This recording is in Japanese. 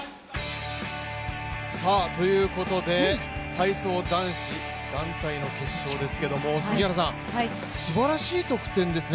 体操男子団体の決勝ですけども、すばらしい得点ですね。